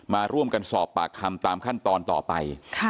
มาร่วมกันสอบปากคำตามขั้นตอนต่อไป